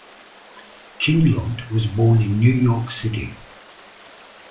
Chinlund was born in New York City.